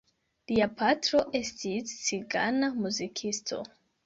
Lia patro estis cigana muzikisto.